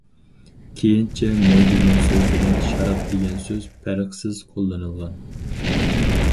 كېيىنچە« مەي» دېگەن سۆز بىلەن« شاراب» دېگەن سۆز پەرقسىز قوللىنىلغان.